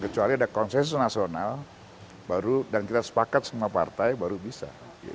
kecuali ada konsensus nasional baru dan kita sepakat semua partai baru bisa